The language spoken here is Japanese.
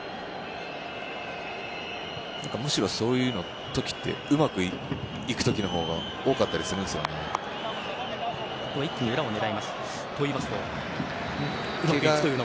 むしろ、そういう時ってうまくいく時のほうが多かったりするんですよね。と言いますと？